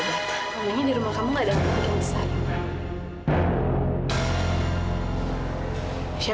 makanya di rumah kamu gak ada obat yang besar